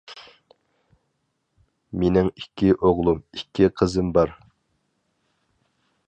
مېنىڭ ئىككى ئوغلۇم، ئىككى قىزىم بار.